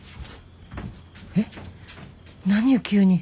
えっ何よ急に。